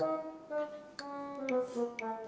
udah sama ngerang